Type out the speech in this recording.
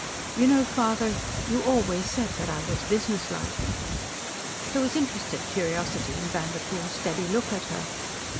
You know, father, you always said that I was businesslike." There was interested curiosity in Vanderpoel's steady look at her.